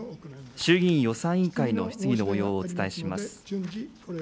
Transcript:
衆議院予算委員会の質疑のもようをお伝えします。